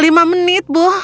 lima menit bu